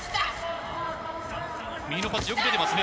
右のパンチ、よく出ていますね。